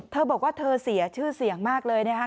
เธอบอกว่าเธอเสียชื่อเสียงมากเลยนะคะ